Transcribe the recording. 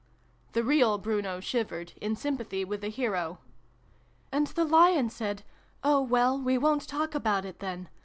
' The real Bruno shivered, in sympathy with the hero. " And the Lion said ' Oh, well, we won't talk about it, then